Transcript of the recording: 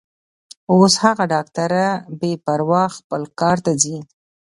اوس هغه ډاکټره بې پروا خپل کار ته ځي.